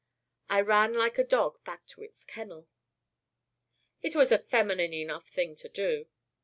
I ran like a dog back to its kennel." "It was a feminine enough thing to do."